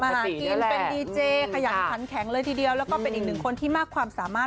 หากินเป็นดีเจขยันขันแข็งเลยทีเดียวแล้วก็เป็นอีกหนึ่งคนที่มากความสามารถ